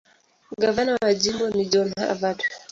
Gavana wa jimbo ni John Harvard.